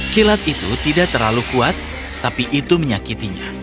kilat itu tidak terlalu kuat tapi itu menyakitinya